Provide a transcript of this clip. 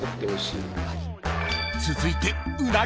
［続いて］